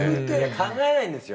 考えないんですよ